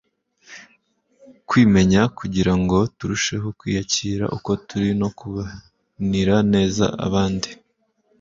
kwimenya kugira ngo turusheho kwiyakira uko turi no kubanira neza abandi